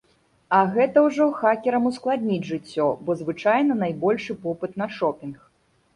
А гэта ўжо хакерам ускладніць жыццё, бо звычайна найбольшы попыт на шопінг.